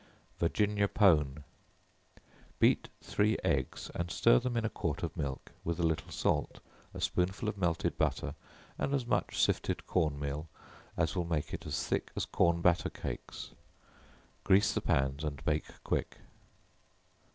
Virginia Pone. Beat three eggs, and stir them in a quart of milk, with a little salt, a spoonful of melted butter, and as much sifted corn meal as will make it as thick as corn batter cakes; grease the pans and bake quick.